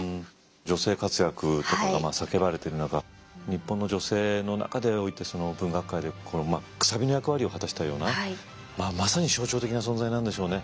女性活躍とかが叫ばれてる中日本の女性の中でおいてその文学界でこのくさびの役割を果たしたようなまさに象徴的な存在なんでしょうね。